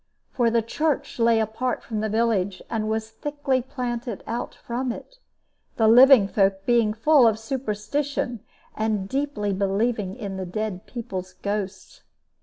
For the church lay apart from the village, and was thickly planted out from it, the living folk being full of superstition, and deeply believing in the dead people's ghosts.